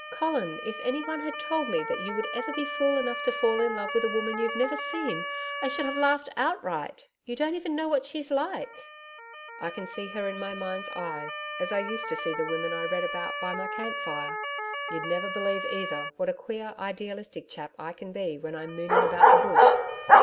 Colin, if anyone had told me that you would ever be fool enough to fall in love with a woman you've never seen, I should have laughed outright. You don't even know what she's like.' 'I can see her in my mind's eye, as I used to see the women I read about by my camp fire. You'd never believe either what a queer idealistic chap I can be when I'm mooning about the Bush.